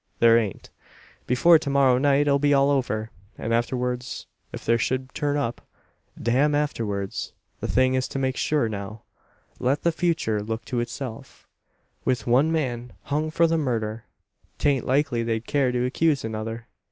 There ain't. Before to morrow night it'll be all over; and afterwards if there should turn up . Damn afterwards! The thing is to make sure now. Let the future look to itself. With one man hung for the murder, 'tain't likely they'd care to accuse another.